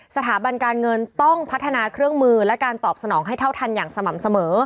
สถาบันการเงินต้องพัฒนาเครื่องมือและการตอบสนองให้เท่าทันอย่างสม่ำเสมอ